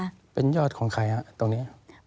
มันเป็นยอดของใครครับตรงนี้